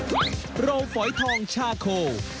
โรงมะพร้าวฝอยทองชาโค